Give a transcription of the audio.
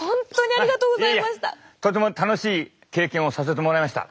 とても楽しい経験をさせてもらいました。